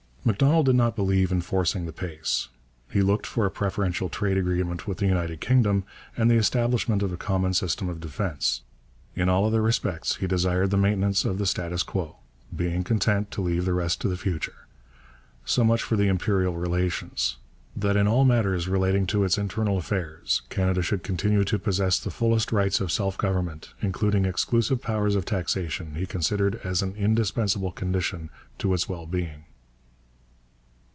' Macdonald did not believe in forcing the pace. He looked for a preferential trade arrangement with the United Kingdom, and the establishment of a common system of defence. In all other respects he desired the maintenance of the status quo, being content to leave the rest to the future. So much for the Imperial relations. That in all matters relating to its internal affairs Canada should continue to possess the fullest rights of self government, including exclusive powers of taxation, he considered as an indispensable condition to its well being.